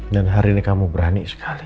dan hari ini kamu berani sekali